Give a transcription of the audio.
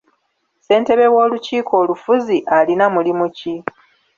Ssentebe w'olukiiko olufuzi alina mulimu ki?